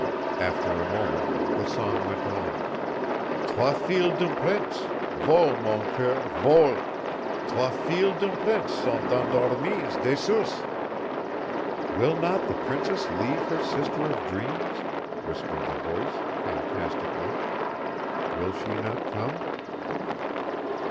After a moment the song went on. "Trois filles d'un prince, Vole, mon coeur, vole! Trois filles d'un prince Sont endormies dessous." "Will not the princess leave her sisters of dreams?" whispered the voice, fantastically. "Will she not come?"